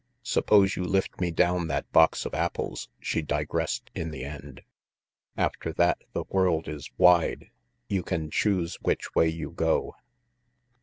"Suppose you lift me down that box of apples," she digressed in the end. "After that, the world is wide. You can choose which way you go."